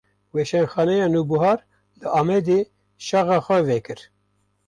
Weşanxaneya Nûbihar, li Amedê şaxa xwe vekir